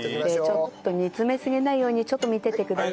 煮詰めすぎないようにちょっと見ててください。